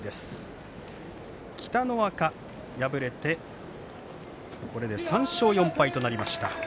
北の若は敗れて３勝４敗となりました。